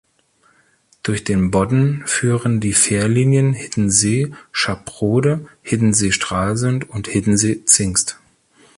Durch den Bodden führen die Fährlinien Hiddensee–Schaprode, Hiddensee–Stralsund und Hiddensee–Zingst.